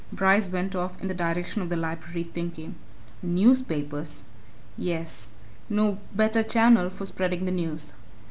Bryce went off in the direction of the Library thinking. The newspapers? yes, no better channel for spreading the news.